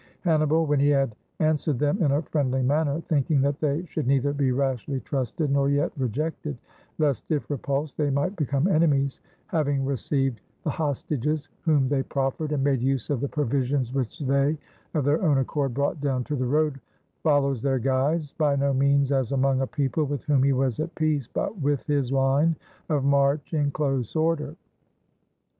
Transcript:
Hannibal, when he had an swered them in a friendly manner, thinking that they should neither be rashly trusted nor yet rejected, lest if repulsed they might become enemies, having received the hostages whom they proffered, and made use of the provisions which they of their own accord brought down to the road, follows their guides, by no means as among a people with whom he was at peace, but with his Hne of march in close order.